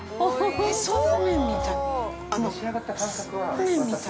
そうめんみたい。